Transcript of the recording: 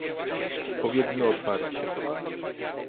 Powiedzmy otwarcie